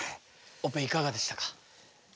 オペいかがでしたか？